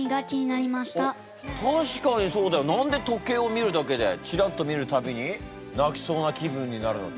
何で時計を見るだけで「チラッと見るたびに泣きそうな気分になるの？」。